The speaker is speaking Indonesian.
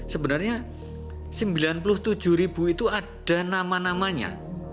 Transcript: sebenarnya sembilan puluh tujuh ribu itu ada nama namanya